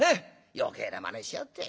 余計なまねしやがって。